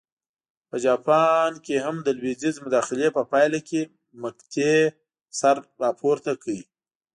په جاپان هم د لوېدیځ مداخلې په پایله کې مقطعې سر راپورته کړ.